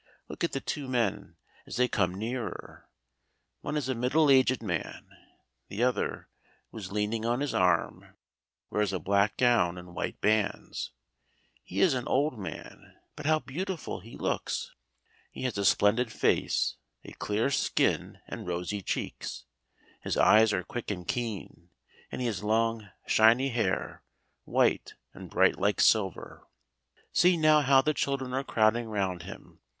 Look at the two men as they come nearer. One is a middle aged man; the other, who is leaning on his arm, wears a black gown and white bands. He is an old man, but how beautiful he looks. He has a splendid face, a clear skin and rosy cheeks. His eyes are quick and keen, and he has long, shiny hair, white and bright like silver. See now how the children are crowding round him!